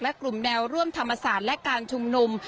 และกลุ่มแนวร่วมธรรมศาสตร์และการชุมนุม